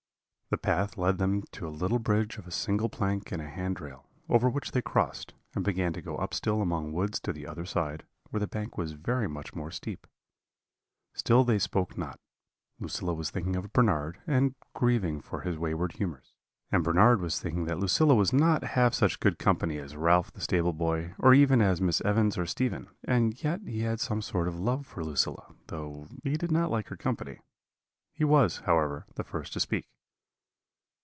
"The path led them to a little bridge of a single plank and a hand rail, over which they crossed, and began to go up still among woods to the other side, where the bank was very much more steep. "Still they spoke not: Lucilla was thinking of Bernard, and grieving for his wayward humours; and Bernard was thinking that Lucilla was not half such good company as Ralph the stable boy, or even as Miss Evans or Stephen; and yet he had some sort of love for Lucilla, though he did not like her company. He was, however, the first to speak.